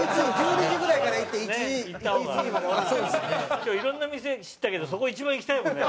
今日いろんな店知ったけどそこ一番行きたいもんね。